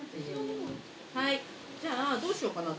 はいじゃあどうしようかな。